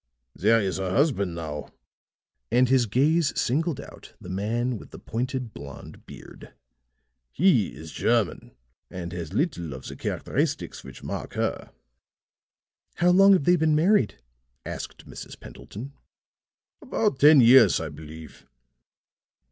There is her husband, now," and his gaze singled out the man with the pointed blond beard; "he is German, and has little of the characteristics which mark her." "How long have they been married?" asked Mrs. Pendleton. "About ten years, I believe."